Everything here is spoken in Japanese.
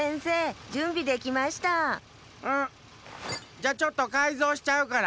じゃちょっとかいぞうしちゃうから！